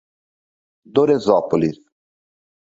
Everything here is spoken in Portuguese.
Doresópolis